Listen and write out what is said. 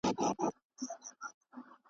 یو د بل په ژبه پوه مي ننګرهار او کندهار کې .